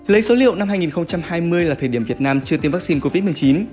lấy số liệu năm hai nghìn hai mươi là thời điểm việt nam chưa tiêm vaccine covid một mươi chín